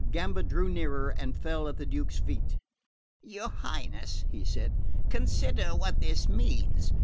Gamba drew nearer and fell at the Duke's feet. "Your Highness," he said, "consider what this means.